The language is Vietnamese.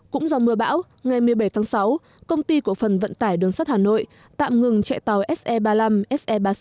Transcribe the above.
cũng do mưa bão ngày một mươi bảy tháng sáu công ty cổ phần vận tải đường sắt hà nội tạm ngừng chạy tàu se ba mươi năm se ba mươi sáu